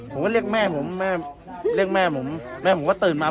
ผมก็เรียกแม่ผมแม่เรียกแม่ผมแม่ผมก็ตื่นมา